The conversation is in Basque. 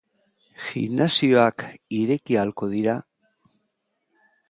Gimnasioak ireki ahalko dira?